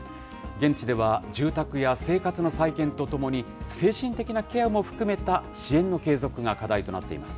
現地では、住宅や生活の再建とともに、精神的なケアも含めた支援の継続が課題となっています。